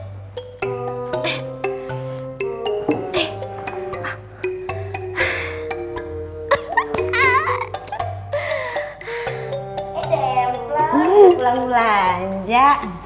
eh deh pelan pelan belanja